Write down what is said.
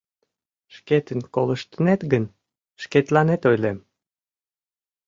Шкетын колыштнет гын, шкетланет ойлем.